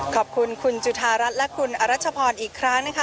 ขอบคุณคุณจุธารัฐและคุณอรัชพรอีกครั้งนะคะ